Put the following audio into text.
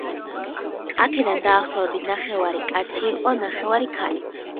აქედან დაახლოებით ნახევარი კაცი იყო, ნახევარი – ქალი.